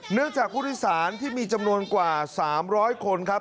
จากผู้โดยสารที่มีจำนวนกว่า๓๐๐คนครับ